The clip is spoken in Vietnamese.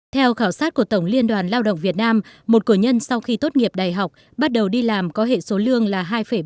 theo khảo sát của tổng liên đoàn lao động việt nam một cửa nhân sau khi tốt nghiệp đại học bắt đầu đi làm có hệ số lương là hai ba mươi